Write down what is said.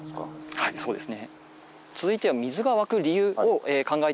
はいそうですね。